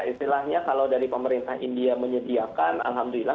istilahnya kalau dari pemerintah india menyediakan alhamdulillah